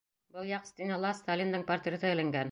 Был яҡ стенала Сталиндың портреты эленгән.